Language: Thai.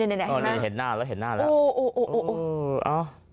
นี่นี่เห็นมากอ่อนี่เห็นหน้าแล้วอ่อ